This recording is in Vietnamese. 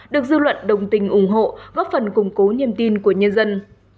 được dư luận đồng tình ủng hộ góp phần củng cố niềm tin của nhân dân